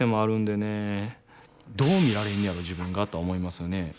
どう見られんねやろ自分がとは思いますよね。